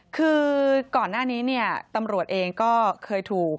คือก่อนหน้านี้เนี่ยตำรวจเองก็เคยถูก